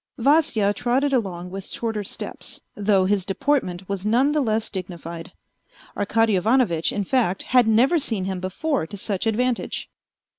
Vasya trotted along with shorter steps, though his deportment was none the less dignified. Arkady Ivanovitch, in fact, had never seen him before to such advantage.